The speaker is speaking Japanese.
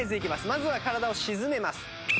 まずは体を沈めます。